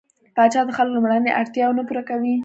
پاچا د خلکو لومړنۍ اړتياوې نه پوره کوي.